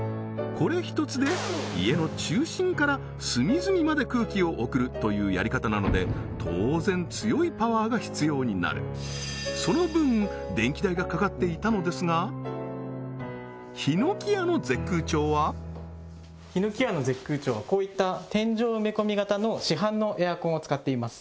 これ１つで家の中心から隅々まで空気を送るというやり方なので当然強いパワーが必要になるヒノキヤのＺ空調はヒノキヤのＺ空調はこういった天井埋め込み型の市販のエアコンを使っています